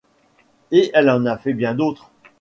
Et elle en fait bien d'autres.